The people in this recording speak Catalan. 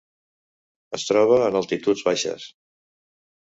Es troba en altituds baixes.